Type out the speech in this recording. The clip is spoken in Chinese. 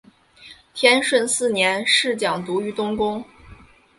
天顺四年侍讲读于东宫。